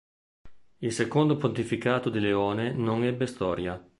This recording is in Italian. Il secondo pontificato di Leone non ebbe storia.